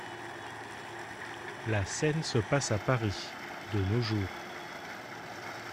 La scène se passe à Paris, de nos jours.